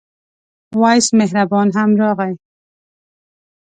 وېس مهربان هم راغی.